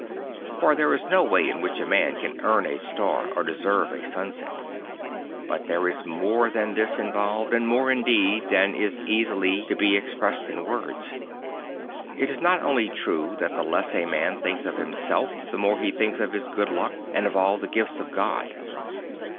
For there is no way in which a man can earn a star or deserve a sunset. Bu t there is more than this involved, and more indeed than is easily to be expressed in words. It is not only true that the less a man thinks of himself, the more he thinks of his good luck and of all the gifts of God.